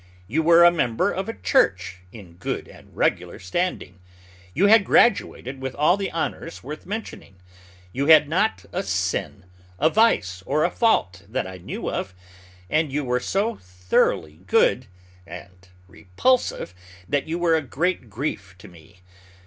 You were a member of a church, in good and regular standing; you had graduated with all the honors worth mentioning; you had not a sin, a vice, or a fault that I knew of; and you were so thoroughly good and repulsive that you were a great grief to me.